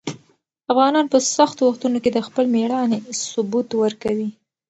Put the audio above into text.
افغانان په سختو وختونو کې د خپل مېړانې ثبوت ورکوي.